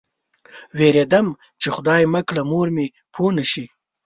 وېرېدم چې خدای مه کړه مور مې پوه نه شي.